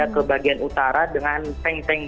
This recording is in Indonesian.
ke bagian utara dengan peng peng